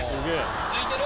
ついてる！